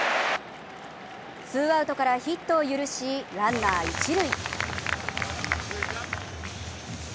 ツーアウトからヒットを許し、ランナー・一塁。